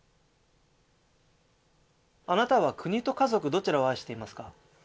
あなたは国と家族どちらを愛していますか？